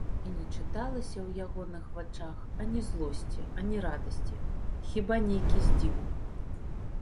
І не чыталася ў ягоных вачах ані злосці, ані радасці, хіба нейкі здзіў.